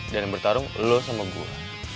dan bertarung lo sama gue